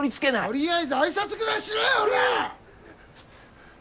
とりあえず挨拶ぐらいしろやおらぁ！